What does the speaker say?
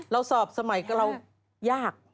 เราสอบสมัยเรายาก